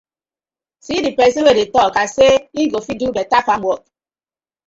See pesin wey dey tok as say im go fit do betta farm wok.